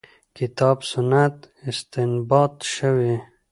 کتاب سنت استنباط شوې.